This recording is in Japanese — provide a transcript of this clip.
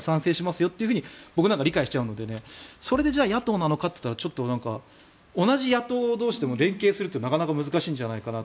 よって僕なんかは理解しちゃうのでそれで野党なのかといったらちょっと同じ野党同士でも連携するってなかなか難しいんじゃないかなと。